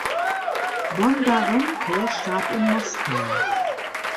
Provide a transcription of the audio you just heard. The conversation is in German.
Bondarenko starb in Moskau.